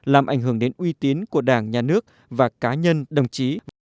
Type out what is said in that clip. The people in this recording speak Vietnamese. làm ảnh hưởng đến uy tín của đảng nhà nước và cá nhân đồng chí